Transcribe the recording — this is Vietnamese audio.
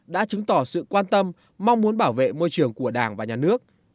đã chứng tỏ sự quan tâm mong muốn bảo vệ môi trường của đảng và nhà nước